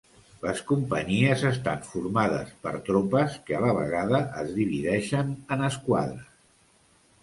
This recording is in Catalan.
Les companyies estan formades per tropes que a la vegada, es divideixen en esquadres.